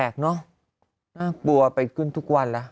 เออเนอะแปลกเนอะน่ากลัวไปขึ้นทุกวันละ